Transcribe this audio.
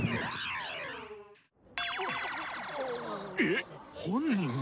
えっ本人？